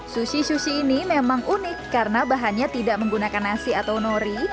sushi sushi ini memang unik karena bahannya tidak menggunakan nasi atau nori